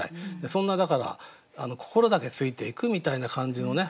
そんなだから心だけついていくみたいな感じのね